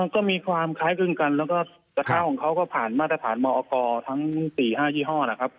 ก็มีความคล้ายครึ่งกันแล้วก็กระทะของเขาก็ผ่านมาตรฐานมอกรทั้ง๔๕ยี่ห้อนะครับ